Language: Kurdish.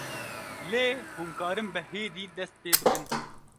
lê hûn karin bi hêdî dest pê bikin